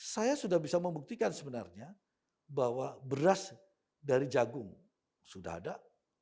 saya sudah bisa membuktikan sebenarnya bahwa beras dari jagung sudah ada